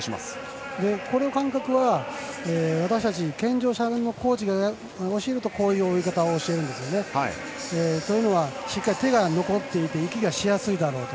この感覚は、私たち健常者のコーチが教えるとこういう泳ぎ方を教えるんですね。というのはしっかり手が残っていて息がしやすいだろうと。